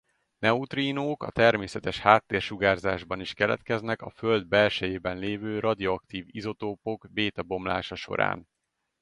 Neutrínók a természetes háttérsugárzásban is keletkeznek a Föld belsejében lévő radioaktív izotópok béta-bomlása során.